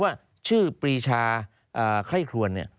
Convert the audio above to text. ว่าชื่อปรีชาไคร่ครวนเนี่ย